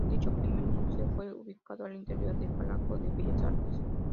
Dicho primer museo fue ubicado al interior del Palacio de Bellas Artes.